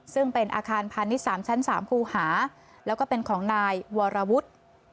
ซึ่งเป็นอาคารพาณิชย์๓ชั้น๓ครูหาแล้วก็เป็นของนายวรวุฒิ